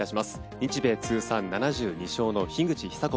日米通算７２勝の樋口久子